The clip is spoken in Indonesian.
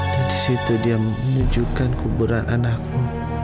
dan disitu dia menunjukkan kuburan anakku